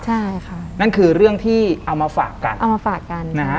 ใช่ค่ะนั่นคือเรื่องที่เอามาฝากกันเอามาฝากกันนะฮะ